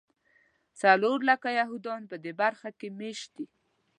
څلور لکه یهودیان په دې برخه کې مېشت دي.